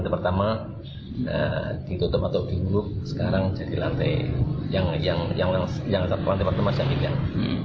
pertama ditutup atau diuluk sekarang jadi lantai yang terlantik pertama yang hidang